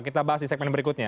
kita bahas di segmen berikutnya